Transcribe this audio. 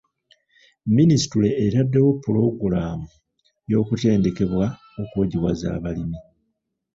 Minisitule etaddewo pulogulaamu y'okutendekebwa okwojiwaza abalimi.